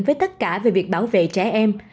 với tất cả về việc bảo vệ trẻ em